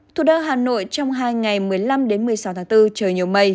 thủ đơ hà nội trong hai ngày một mươi năm đến một mươi sáu tháng bốn trời nhiều mây